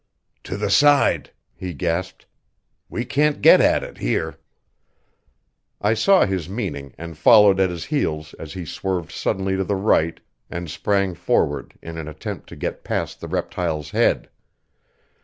"To the side!" he gasped. "We can't get at it here!" I saw his meaning and followed at his heels as he swerved suddenly to the right and sprang forward in an attempt to get past the reptile's head.